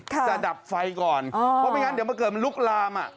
จะดับไฟก่อนเพราะไม่งั้นเดี๋ยวมันเกิดมันลุกลาม